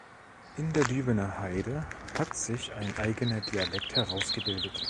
In der Dübener Heide hat sich ein eigener Dialekt herausgebildet.